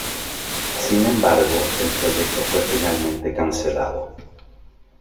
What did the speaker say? Sin embargo, el proyecto fue finalmente cancelado.